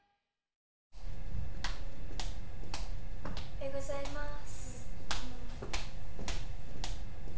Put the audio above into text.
おはようございます。